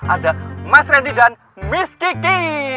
ada mas randy dan miss kiki